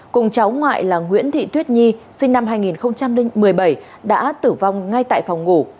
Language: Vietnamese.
cùng cháu ngoại là nguyễn thị tuyết nhi sinh năm hai nghìn một mươi bảy đã tử vong ngay tại phòng ngủ